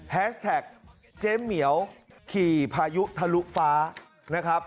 แท็กเจ๊เหมียวขี่พายุทะลุฟ้านะครับ